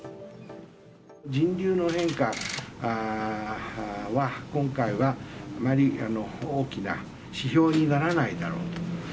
人流の変化は、今回はあまり大きな指標にならないだろうと。